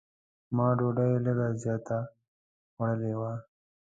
ما ډوډۍ لږ زیاته خوړلې وه.